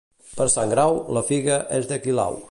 Per Sant Grau, la figa és de qui l'hau.